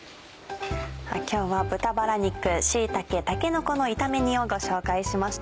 今日は豚バラ肉椎茸たけのこの炒め煮をご紹介しました。